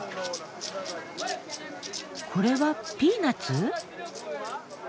これはピーナツ？